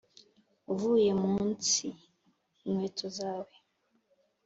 uvuye mu nsi, inkweto zawe